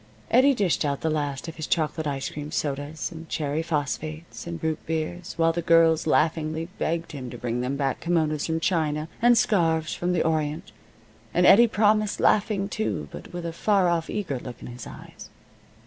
Eddie dished out the last of his chocolate ice cream sodas and cherry phosphates and root beers, while the girls laughingly begged him to bring them back kimonos from China, and scarves from the Orient, and Eddie promised, laughing, too, but with a far off, eager look in his eyes.